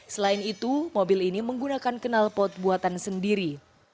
selain itu mobil ini menggunakan kenal pot buatan sendiri